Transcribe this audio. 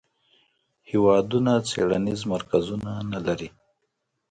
هیوادونه څیړنیز مرکزونه نه لري.